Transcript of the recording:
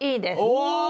お！